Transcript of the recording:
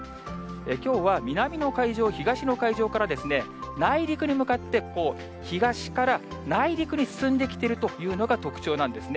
きょうは南の海上、東の海上から、内陸に向かって、東から内陸に進んできているというのが特徴なんですね。